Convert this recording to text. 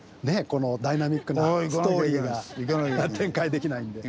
このダイナミックなストーリーが展開できないんで。